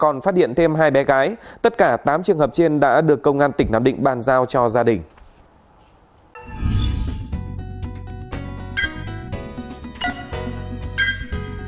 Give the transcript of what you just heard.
còn phát hiện thêm hai bé gái tất cả tám trường hợp trên đã được công an tỉnh nam định bàn giao cho gia đình